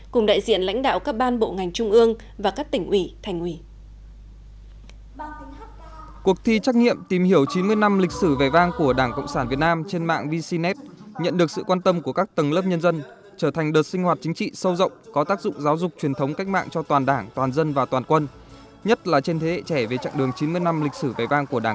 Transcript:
cùng đại diện lãnh đạo các ban bộ ngành trung ương và các tỉnh ủy thành ủy